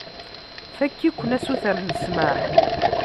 Fakk-iken asuter n ssmaḥ.